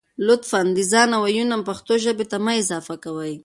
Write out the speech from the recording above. لطفاً د ځانه وييونه پښتو ژبې ته مه اضافه کوئ